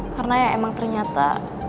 karena ya emang ternyata